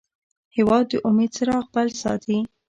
هېواد د امید څراغ بل ساتي.